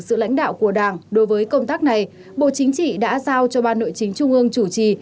sự lãnh đạo của đảng đối với công tác này bộ chính trị đã giao cho ban nội chính trung ương chủ trì